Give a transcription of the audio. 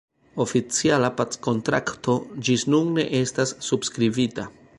Oficiala packontrakto ĝis nun ne estas subskribita.